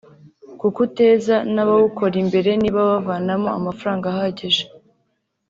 kuko uteza n’abawukora imbere niba bavanamo amafaranga ahagije